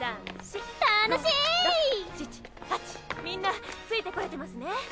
みんなついてこれてますね？